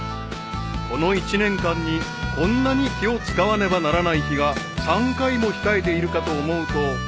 ［この１年間にこんなに気を遣わねばならない日が３回も控えているかと思うと］